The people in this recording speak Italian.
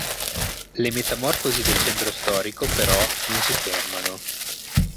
Le metamorfosi del centro storico però non si fermano.